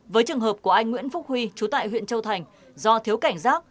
với trường hợp của anh nguyễn phúc huy chú tại huyện châu thành do thiếu cảnh giác